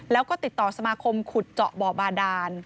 แล้วก็ติดต่อสมาคมขุดเจาะบ่อบาดาน